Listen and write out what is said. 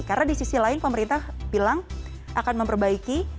karena di sisi lain pemerintah bilang akan memperbaiki